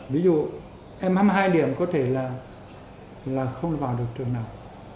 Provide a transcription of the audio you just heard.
ví dụ em hai mươi hai điểm có thể là không vào được trường nào